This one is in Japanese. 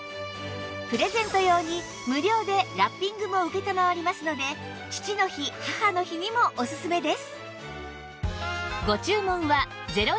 プレゼント用に無料でラッピングも承りますので父の日母の日にもおすすめです